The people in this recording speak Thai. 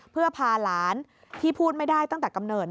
เพื่อพาหลานที่พูดไม่ได้ตั้งแต่กำเนิด